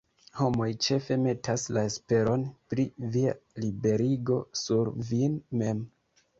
Homoj ĉefe metas la esperon pri via liberigo sur vin mem.